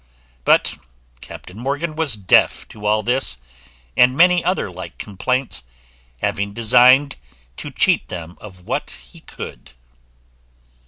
But Captain Morgan was deaf to all this, and many other like complaints, having designed to cheat them of what he could.